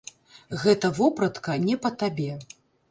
Гэта вопратка не па табе.